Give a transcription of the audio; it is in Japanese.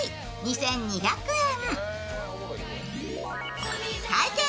２２００円。